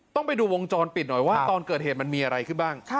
ต้องไปดูวงจรปิดหน่อยว่าตอนเกิดเหตุมันมีอะไรขึ้นบ้าง